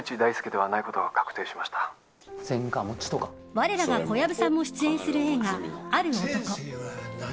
我らが小籔さんも出演する映画「ある男」。